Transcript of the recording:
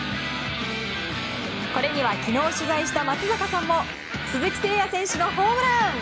これには昨日取材した松坂さんも鈴木誠也選手のホームラン！